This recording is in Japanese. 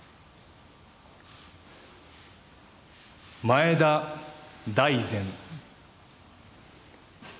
前田大然。